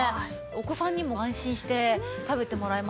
お子さんにも安心して食べてもらえますしね。